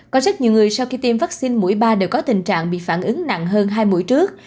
có rất nhiều người sau khi tiêm vaccine mũi ba đều có tình trạng bị phản ứng nặng hơn hai mũi trước